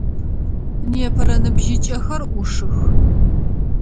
Непэрэ ныбжьыкӏэхзр ӏушых.